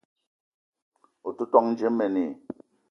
O ton dje mene?